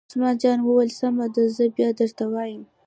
عثمان جان وویل: سمه ده زه بیا درته وایم.